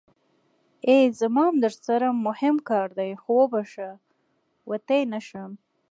ای زما ام درسره موهم کار دی خو وبښه وتی نشم.